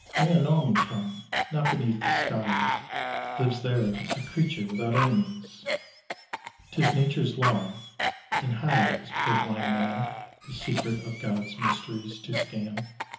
Mais à nos moutons. Not beneath the skies Lives there a creature without enemies. 'Tis Nature's law; and how is purblind man The secret of Gods mysteries to scan?